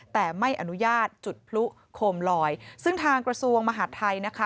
แต่ไม่อนุญาตจุดพลุโคมลอยซึ่งทางกระทรวงมหาดไทยนะคะ